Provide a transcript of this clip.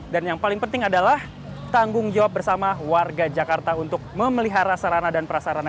dan yang paling penting adalah tanggung jawab bersama warga jakarta untuk memelihara sarana dan prasarana